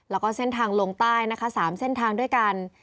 แล้วก็เส้นทางลงใต้นะคะ๓เส้นทางด้วยกัน